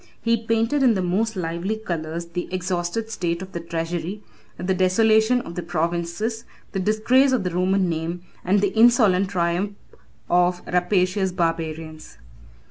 He painted in the most lively colors the exhausted state of the treasury, the desolation of the provinces, the disgrace of the Roman name, and the insolent triumph of rapacious barbarians.